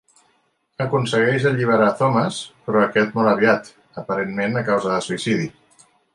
Aconsegueix alliberar a Thomas, però aquest mor aviat, aparentment a causa de suïcidi.